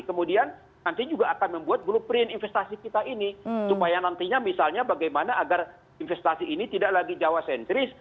kemudian nanti juga akan membuat blueprint investasi kita ini supaya nantinya misalnya bagaimana agar investasi ini tidak lagi jawa sentris